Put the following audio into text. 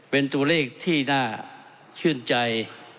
เป็นตัวเลขที่น่าชื่นใจ